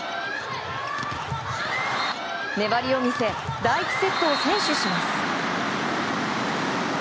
粘りを見せ第１セットを先取します。